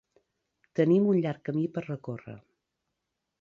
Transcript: Tenim un llarg camí per recórrer.